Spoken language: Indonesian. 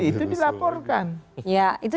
itu dilaporkan ya itu